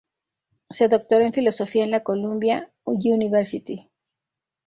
Se doctoró en Filosofía en la Columbia University.